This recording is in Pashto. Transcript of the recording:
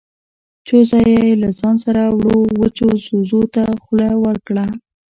څو ځايه يې له ځان سره وړو وچو ځوځو ته خوله ورکړه.